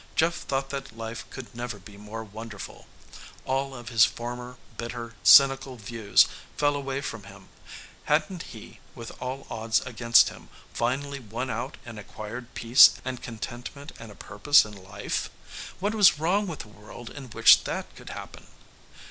Jeff thought that life could never be more wonderful. All of his former, bitter, cynical views fell away from him. Hadn't he, with all odds against him, finally won out and acquired peace and contentment and a purpose in life? What was wrong with a world in which that could happen?